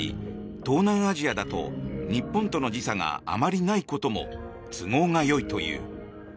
東南アジアだと日本との時差があまりないことも都合がよいという。